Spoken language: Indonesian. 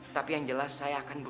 gak ada apa apanya